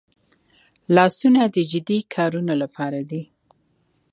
لاسونه د جدي کارونو لپاره دي